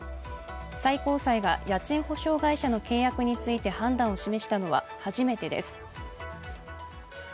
最高裁が家賃保証会社の契約について判断を示したのは初めてです。